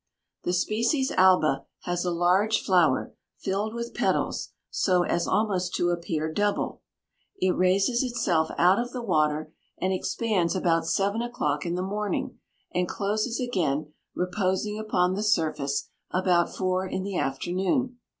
The species alba has a large flower filled with petals, so as almost to appear double; it raises itself out of the water and expands about seven o'clock in the morning, and closes again, reposing upon the surface, about four in the afternoon.